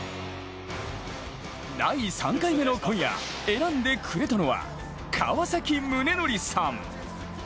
第３回目の今夜、選んでくれたのは川崎宗則さん。